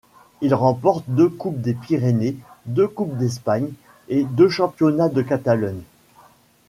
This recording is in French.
Il remporte deux Coupes des Pyrénées, deux Coupes d'Espagne et deux championnats de Catalogne.